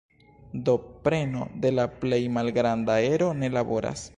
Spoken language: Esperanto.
Do preno de la plej malgranda ero ne laboras.